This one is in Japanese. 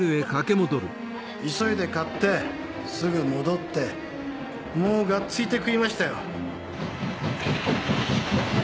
急いで買ってすぐ戻ってもうがっついて食いましたよ。